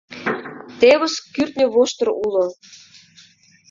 — Тевыс кӱртньӧ воштыр уло...